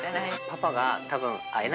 パパが多分笑